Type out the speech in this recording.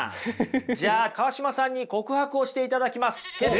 じゃあ川島さんに告白をしていただきます。